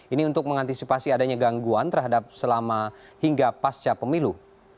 ini untuk mengantisipasi adanya gangguan terhadap selama hingga pasca pemilu